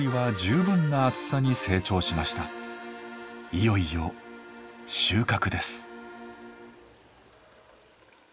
いよいよ収穫です。